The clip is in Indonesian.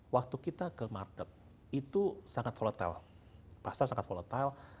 waktu kita ke market itu sangat volatile pasar sangat volatile